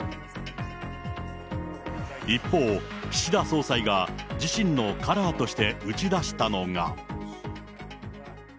一方、岸田総裁が自身のカラーとして打ち出したのが。